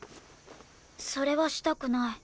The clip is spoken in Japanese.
それはしたくない。